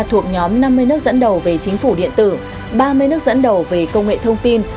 thuộc nhóm năm mươi nước dẫn đầu về chính phủ điện tử ba mươi nước dẫn đầu về công nghệ thông tin